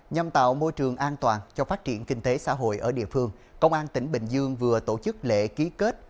nhằm tạo môi trường an toàn cho phát triển kinh tế xã hội ở địa phương công an tỉnh bình dương vừa tổ chức lễ ký kết